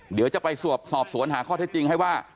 เดี๋ยวจะไปสอบสวนหาข้อเท็จจริงให้ว่า